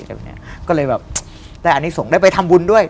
ควรได้แบบด้านนี้ส่งได้ไปทำบุญด้วย